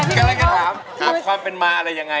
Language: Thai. ก็เลยถามความเป็นมาอะไรยังไง